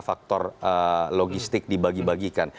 faktor logistik dibagi bagikan